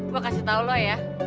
gue kasih tau lo ya